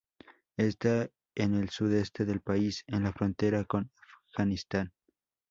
Esta en el sudeste del país, en la frontera con Afganistán.